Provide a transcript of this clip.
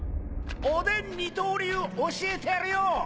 おでん二刀流教えてやるよ！